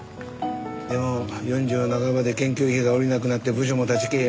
でも４０半ばで研究費が下りなくなって部署も立ち消え